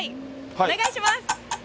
お願いします。